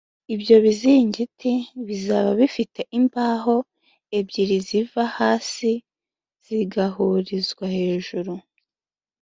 ibyo bizingiti bizabe bifite imbaho ebyiri ziva hasi zigahurizwa hejuru